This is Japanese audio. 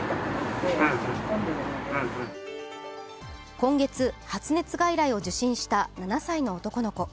今月、発熱外来を受診した７歳の男の子